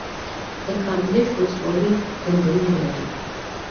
د کامدیش ولسوالۍ ځنګلونه لري